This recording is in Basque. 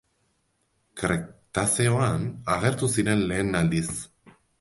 Kretazeoan agertu ziren lehen aldiz.